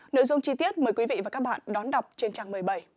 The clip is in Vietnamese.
nội dung chi tiết mời quý vị và các bạn đón đọc trên trang một mươi bảy